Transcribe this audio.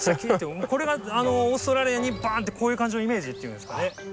これがオーストラリアにバーンってこういう感じのイメージっていうんですかね。